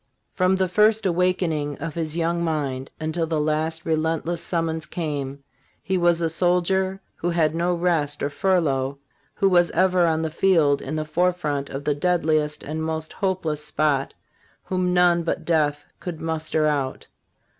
From the first awakening of his young mind until the last relentless summons came. he was a soldier who had no rest or furlough, who was ever on the field in the forefront of the deadliest and most hopeless spot, whom none but death could muster out.